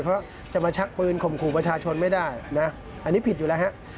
เพราะจะมาชักปืนข่มขู่ประชาชนไม่ได้นะอันนี้ผิดอยู่แล้วฮะ